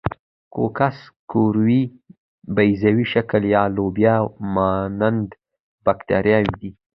کوکس کروي، بیضوي شکل یا لوبیا مانند باکتریاوې دي.